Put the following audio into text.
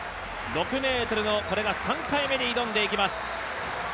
６ｍのこれが３回目に挑んでいきます。